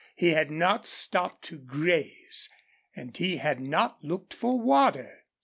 He had not stopped to graze, and he had not looked for water.